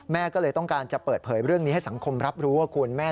ก็เลยต้องการจะเปิดเผยเรื่องนี้ให้สังคมรับรู้ว่าคุณแม่